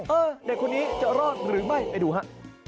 เด็กคนนี้จะรอดหรือไม่ไปดูฮะ